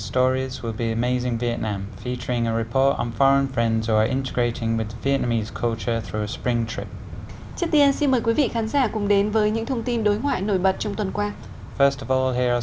trước tiên xin mời quý vị khán giả cùng đến với những thông tin đối ngoại nổi bật trong tuần qua